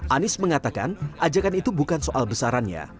anies mengatakan ajakan itu bukan soal besarannya